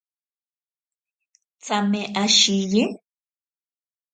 Tsame ashiye.